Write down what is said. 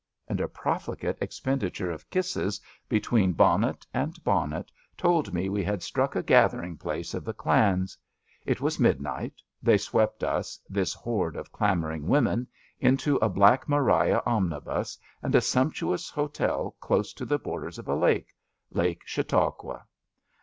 '' and a profligate expenditure of kisses between bonnet and bonnet told me we had struck a gathering place of the clans. It was midnight. They swept us, this horde of clamouring women, into a Black Maria omnibus and a sumptuous hotel close to the borders of a lake— Lake Chautauqua.